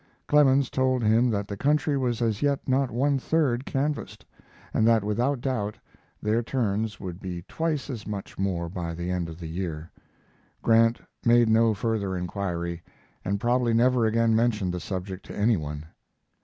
Clemens told him that the country was as yet not one third canvassed, and that without doubt there turns would be twice as much more by the end of the year. Grant made no further inquiry, and probably never again mentioned the subject to any one.